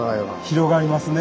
広がりますね。